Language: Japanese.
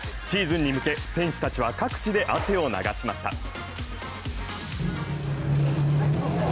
シーズンに向け、選手たちは各地で汗を流しました。